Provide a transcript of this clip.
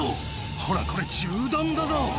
ほら、これ、銃弾だぞ。